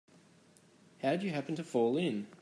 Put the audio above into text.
How'd you happen to fall in?